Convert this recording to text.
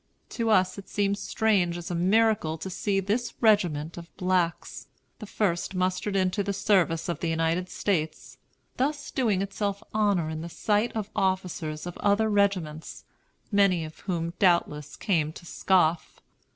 To us it seemed strange as a miracle to see this regiment of blacks, the first mustered into the service of the United States, thus doing itself honor in the sight of officers of other regiments, many of whom doubtless came to scoff.